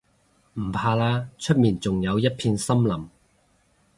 唔怕啦，出面仲有一片森林